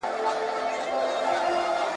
سوالونه باید ناسم نه وي.